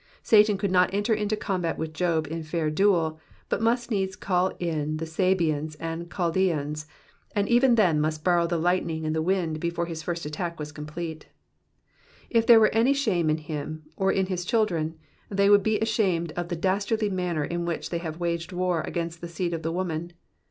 Satan could not enter into combat with Job in fair duel, but must needs call in the Sabeans and Chaldeans, and even then must borrow the lightning and the wind before his first attack was complete. If there were any shame in him, or in his children, they would be ashamed of the das tardly manner in which they have waged war against the seed of the woman.